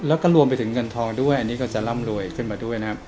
แล้วก็รวมไปถึงเงินทองด้วยอันนี้ก็จะร่ำรวยขึ้นมาด้วยนะครับ